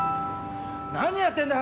何やってんだ！